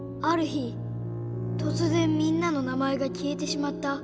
ある日とつぜんみんなの名前がきえてしまった。